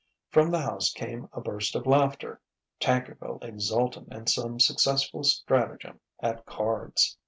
From the house came a burst of laughter Tankerville exultant in some successful stratagem at cards.